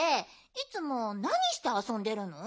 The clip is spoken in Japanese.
いつもなにしてあそんでるの？